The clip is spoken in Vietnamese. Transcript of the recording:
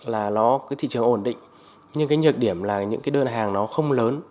cái ưu điểm là thị trường ổn định nhưng cái nhược điểm là những đơn hàng nó không lớn